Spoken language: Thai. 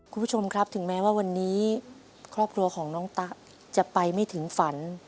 คุณผู้ชมครับถึงแม้ว่าวันนี้ครอบครัวของน้องตะจะไปไม่ถึงฝัน